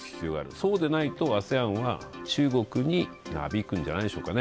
そうでないとＡＳＥＡＮは中国になびくんじゃないでしょうかね。